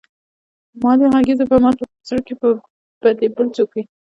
مالې غږېږې به ماته زړه کې به دې بل څوک وي.